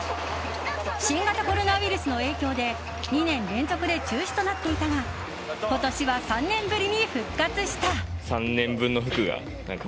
新型コロナウイルスの影響で２年連続で中止となっていたが今年は３年ぶりに復活した。